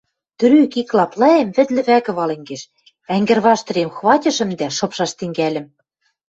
Трӱк ик лаплаэм вӹд лӹвӓкӹ вален кеш, ӓнгӹрваштырем хватьышым дӓ шыпшаш тӹнгӓльӹм.